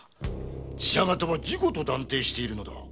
寺社方は事故と断定しているのだ。